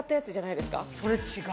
それ違う。